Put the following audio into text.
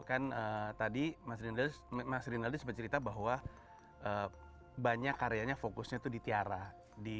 kan tadi masih ada masih nilai sempat cerita bahwa banyak karyanya fokusnya itu di tiara di